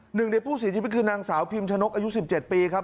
หนึ่งในผู้เสียชีวิตคือนางสาวพิมชนกอายุ๑๗ปีครับ